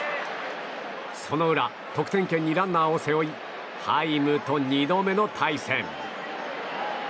その裏得点圏にランナーを背負いハイムと２度目の対戦。